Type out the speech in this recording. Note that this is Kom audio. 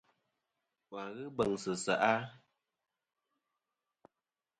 Wà n-ghɨ beŋsɨ seʼ a?